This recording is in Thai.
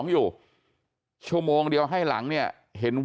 เออตรงนี้ยังเยอะเยอะมาก